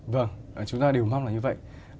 vâng chúng ta đều mong là như vậy